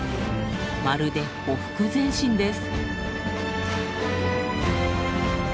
まるで「ほふく前進」です。